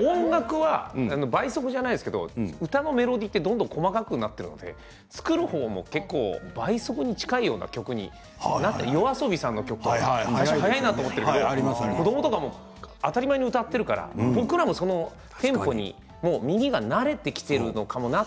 音楽は倍速じゃないですけど歌のメロディーがどんどん細かくなっているので作る方も倍速に近いような曲にＹＯＡＳＯＢＩさんの曲が速いなと思ってるけど子どもの方は当たり前に歌っているからテンポに耳が慣れてきているのかもなって。